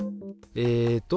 えっと